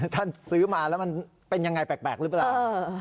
ซื้อมาแล้วมันเป็นยังไงแปลกหรือเปล่า